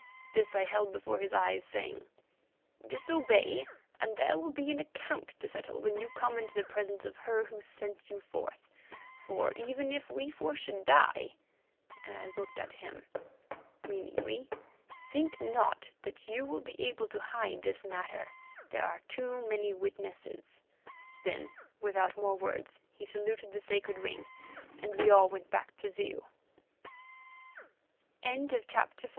This I held before his eyes, saying: "Disobey, and there will be an account to settle when you come into the presence of her who sent you forth, for even if we four should die"—and I looked at him meaningly—"think not that you will be able to hide this matter; there are too many witnesses." Then, without more words, he saluted the sacred ring, and we all went back to Zeu. CHAPTER V.